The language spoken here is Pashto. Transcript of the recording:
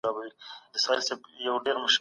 د غریبو او بې وزلو لاسنیوی مو لومړیتوب وي.